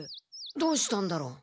どうしたんだろう？